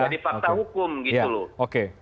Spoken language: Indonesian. jadi fakta hukum gitu loh